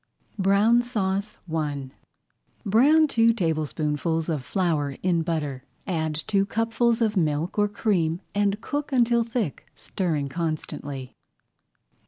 BROWN SAUCE I Brown two tablespoonfuls of flour in butter. Add two cupfuls of milk or cream and cook until thick, stirring constantly.